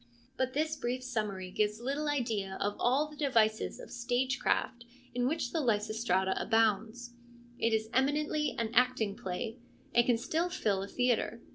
But this brief summary gives little idea of all the devices of stage craft in which the Lysistrata abounds. It is eminently an acting play, and can still fill a theatre.